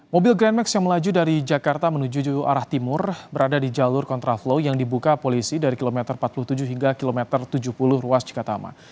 mobil grandmax yang melaju dari jakarta menuju arah timur berada di jalur kontraflow yang dibuka polisi dari kilometer empat puluh tujuh hingga kilometer tujuh puluh ruas cikatama